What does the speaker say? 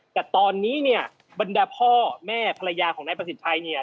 แต่ตอนนี้เนี่ยบรรดาพ่อแม่ภรรยาของนายประสิทธิ์ชัยเนี่ย